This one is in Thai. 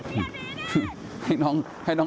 แก้อย่างไรเนี่ย